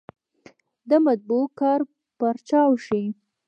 د مطبعو کار پارچاو شي.